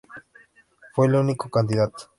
Fue el único candidato.